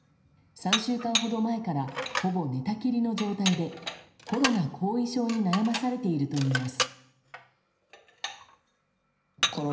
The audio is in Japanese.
３週間ほど前からほぼ寝たきりの状態でコロナ後遺症に悩まされているといいます。